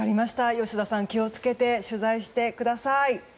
吉田さん気をつけて取材してください。